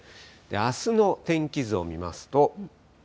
あすの天気図を見ますと。